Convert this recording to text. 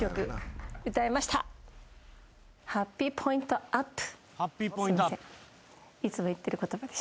ハッピーポイントアップ。